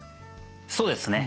そうですね。